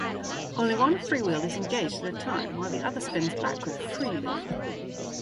Only one freewheel is engaged at a time, while the other spins backward freely.